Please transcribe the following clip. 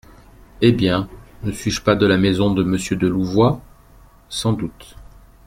Eh bien ! ne suis-je pas de la maison de Monsieur de Louvois ? Sans doute.